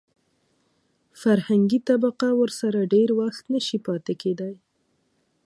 فرهنګي طبقه ورسره ډېر وخت نشي پاتې کېدای.